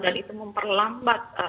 dan itu memperlambat